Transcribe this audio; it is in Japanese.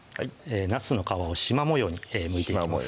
なすの皮をしま模様にむいていきます